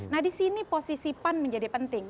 nah di sini posisi pan menjadi penting